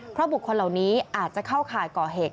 เพราะบุคคลเหล่านี้อาจจะเข้าข่ายก่อเหตุ